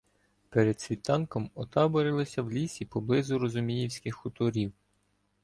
Перед світанком отаборилися в лісі поблизу Розуміївських хуторів.